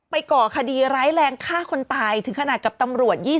ก่อคดีร้ายแรงฆ่าคนตายถึงขนาดกับตำรวจ